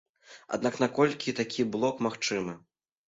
Аднак наколькі такі блок магчымы?